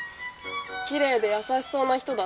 きれいで優しそうな人だね。